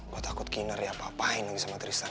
gue takut kinar ya apa apain lagi sama tristan